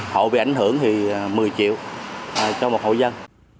hộ bị ảnh hưởng thì một mươi triệu cho một hộ dân